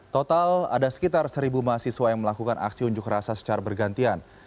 total ada sekitar seribu mahasiswa yang melakukan aksi unjuk rasa secara bergantian